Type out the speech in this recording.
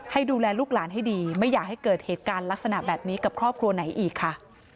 ให้ดูแลลูกหลานให้ดีไม่อยากให้เกิดเหตุการณ์ลักษณะแบบนี้กับครอบครัวไหนอีกค่ะ